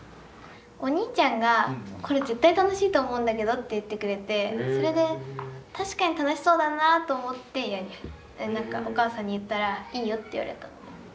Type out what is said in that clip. お兄ちゃんが「これ絶対楽しいと思うんだけど」って言ってくれてそれで「確かに楽しそうだな」と思って何かお母さんに言ったら「いいよ」って言われたので。